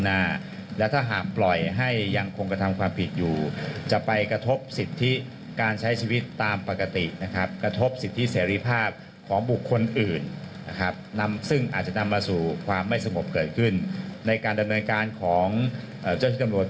ในการดำเนินการของเจ้าชีวิตตำรวจ